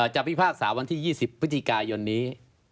จะพิภาคสารวันที่๒๐พฤติกาย่นนี้